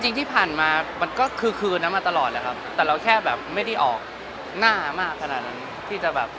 จริงที่ผ่านมามันก็คือคืนนั้นมาตลอดแหละครับแต่เราแค่แบบไม่ได้ออกหน้ามากขนาดนั้นที่จะแบบ